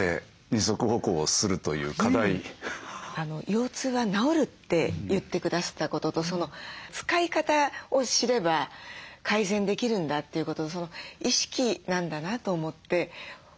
腰痛は治るって言ってくださったことと使い方を知れば改善できるんだということと意識なんだなと思って本当に希望が持てました。